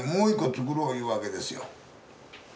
つくろういうわけですよ。